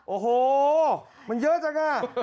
โอ้โหมันเยอะจังอ่ะ